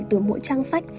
từ mỗi trang sách